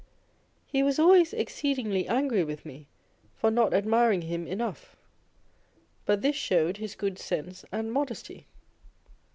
He was always exceedingly angry with me for not admiring him enough. But this showed his good sense and modesty.